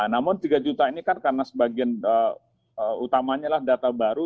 namun tiga juta ini kan karena sebagian utamanya adalah data baru